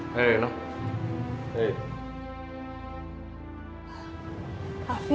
kalian tadi keberbangsaan